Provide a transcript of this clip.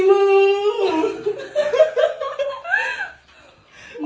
มันจริง